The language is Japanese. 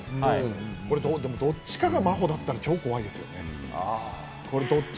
どっちかが真帆だったら超怖いですね。